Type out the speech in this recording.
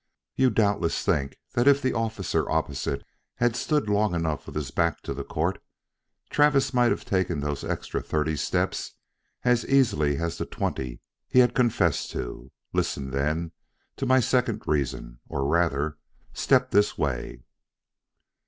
You doubtless think that if the officer opposite had stood long enough with his back to the court, Travis might have taken those extra thirty steps as easily as the twenty he had confessed to. Listen, then, to my second reason, or rather, step this way."